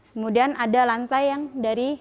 kemudian ada lantai yang dari